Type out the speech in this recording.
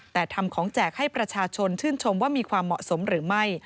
แต่ทำของแจกให้ประชาชนชื่นชมว่ามีความเหมาะสมหรือไม่